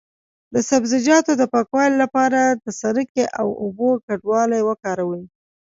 د سبزیجاتو د پاکوالي لپاره د سرکې او اوبو ګډول وکاروئ